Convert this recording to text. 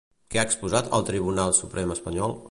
Què ha exposat al Tribunal Suprem espanyol?